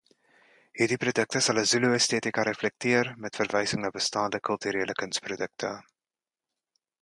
Hierdie produkte sal 'n Zulu-estetika reflekteer met verwysing na bestaande kulturele kunsprodukte.